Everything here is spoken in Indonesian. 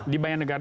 di banyak negara